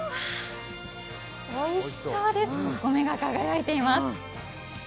おいしそうですお米が輝いています。